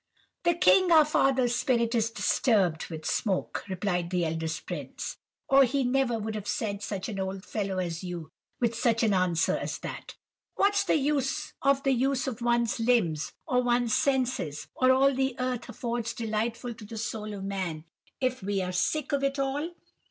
"'The king, our father's spirit is disturbed with smoke,' replied the eldest prince, 'or he never would have sent such an old fellow as you with such an answer as that. What's the use of the use of one's limbs, or one's senses, or all the earth affords delightful to the soul of man, if we're sick of it all?